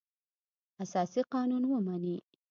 اساسي قانون ومني.